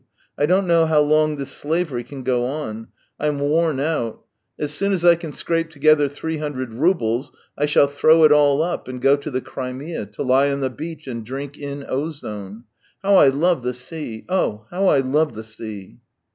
I don't know how long this slavery can go on. I'm worn out. As soon as I can scrape together three hundred roubles, I shall throw it all up and go to the Crimea, to lie on the beach and drink in ozone. How I love the sea — oh, how I love the sea